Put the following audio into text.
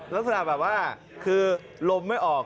ลักษณะแบบว่าคือลมไม่ออก